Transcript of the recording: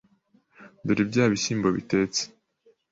dore bya bishyimbo byitetse